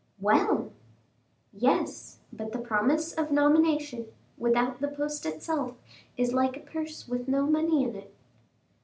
"Well!" "Yes; but the promise of nomination, without the post itself, is like a purse with no money in it."